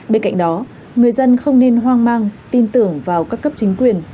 bên cạnh đó người dân không nên hoang mang tin tưởng vào các cấp chính quyền